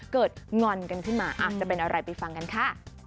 งอนกันขึ้นมาอาจจะเป็นอะไรไปฟังกันค่ะ